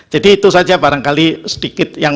jadi itu saja barangkali sedikit yang